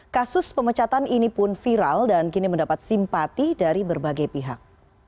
kasus pemecatan ini pun viral dan kini mendapat simpati dari berbagai pihak